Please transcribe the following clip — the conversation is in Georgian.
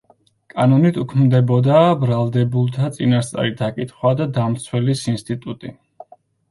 კანონით უქმდებოდა ბრალდებულთა წინასწარი დაკითხვა და დამცველის ინსტიტუტი.